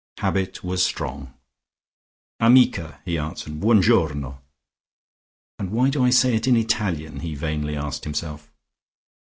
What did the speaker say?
Habit was strong.... "Amica!" he answered. "Buon Giorno." ("And why do I say it in Italian?" he vainly asked himself.)